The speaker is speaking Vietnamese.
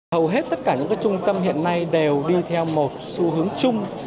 hầu hết tất cả những trung tâm hiện nay đều đi theo một xu hướng chung